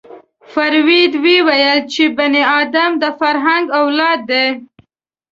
فروید ویلي چې بني ادم د فرهنګ اولاد دی